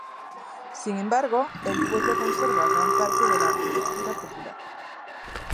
Sin embargo, el pueblo conserva gran parte de la arquitectura popular.